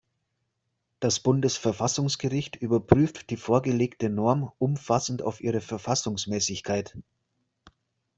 Das Bundesverfassungsgericht überprüft die vorgelegte Norm umfassend auf ihre Verfassungsmäßigkeit.